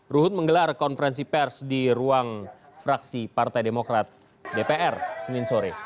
ruhut menggelar konferensi pers di ruang fraksi partai demokrat dpr senin sore